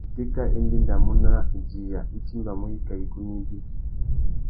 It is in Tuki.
Itéka i ndéndamú à idiya, i timbamú wikā igunú ibi.